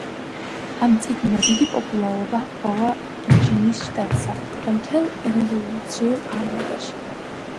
ამ წიგნმა დიდი პოპულარობა ჰპოვა ვირჯინიის შტატსა და მთელ რევოლუციურ ამერიკაში.